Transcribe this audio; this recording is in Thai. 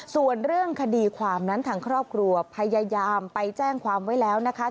ส่วนเรื่องคดีความนั้นทางครอบครัวพยายามไปแจ้งความไว้แล้วนะคะ